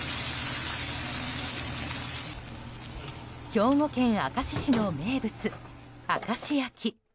兵庫県明石市の名物・明石焼。